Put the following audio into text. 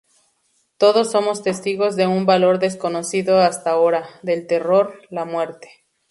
Todos somos testigos de un valor desconocido hasta ahora; del terror, la muerte.